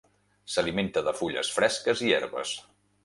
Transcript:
S'alimenta de fulles fresques i herbes.